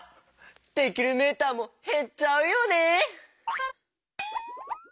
できるメーターもへっちゃうよね。